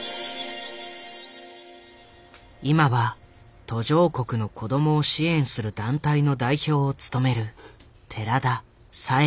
今は途上国の子供を支援する団体の代表を務める寺田朗子。